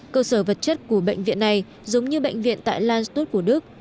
cơ sở vật chất của bệnh viện này giống như bệnh viện tại lanstut của đức